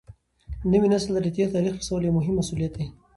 نوي نسل ته د تېر تاریخ رسول یو مهم مسولیت دی.